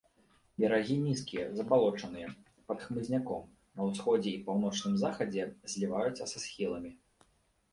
Берагі нізкія, забалочаныя, пад хмызняком, на ўсходзе і паўночным-захадзе зліваюцца са схіламі.